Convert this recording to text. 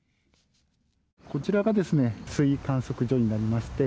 こちらが水位観測所になりまして。